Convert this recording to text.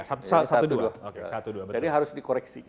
jadi harus dikoreksi